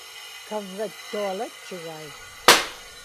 kavyattualatchigai